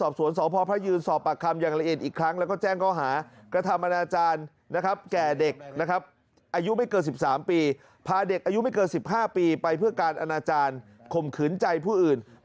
ความอธิบายใหญ่มือเยอะเลยมือใหญ่มือเยอะมาเลยนั้น